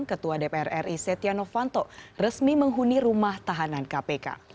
ketua dpr ri setia novanto resmi menghuni rumah tahanan kpk